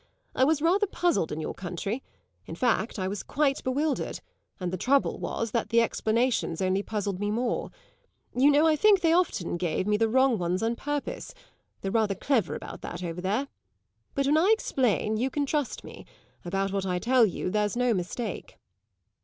"I was rather puzzled in your country; in fact I was quite bewildered, and the trouble was that the explanations only puzzled me more. You know I think they often gave me the wrong ones on purpose; they're rather clever about that over there. But when I explain you can trust me; about what I tell you there's no mistake."